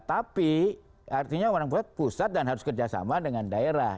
tapi artinya orang pusat dan harus kerjasama dengan daerah